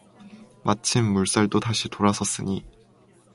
마침 물살도 다시 돌아섰으니...